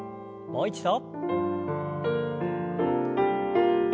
もう一度。